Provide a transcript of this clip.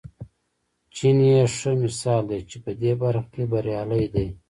چین یې ښه مثال دی چې په دې برخه کې بریالی دی.